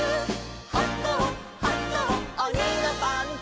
「はこうはこうおにのパンツ」